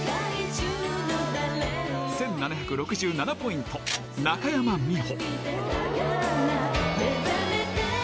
１７６７ポイント、中山美穂。